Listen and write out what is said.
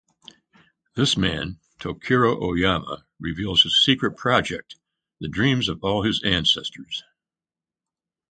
This man, Tochiro Oyama reveals his secret project, the dreams of all his ancestors.